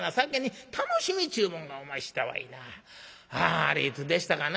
ああれいつでしたかな？